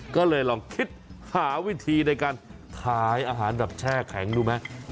ก็เลยลองคิดหาวิธีในการขายอาหารแบบแช่แข็งดูไหม